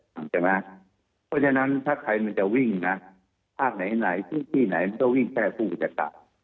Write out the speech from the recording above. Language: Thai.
เพราะฉะนั้นถ้าใครมันจะวิ่งภาคไหนไหนผู้ที่ไหนมันต้องวิ่งแค่ผู้จัดการ